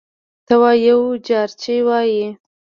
ته وا یو جارچي وايي: